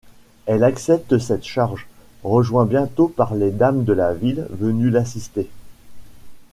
Elle accepte cette charge, rejoint bientôt par les dames de la ville venues l’assister.